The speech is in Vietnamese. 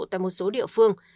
tại một số địa phương